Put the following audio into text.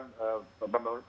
mbak desi program